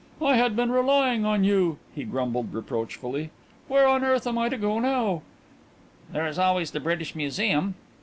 "I had been relying on you," he grumbled reproachfully. "Where on earth am I to go now?" "There is always the British Museum."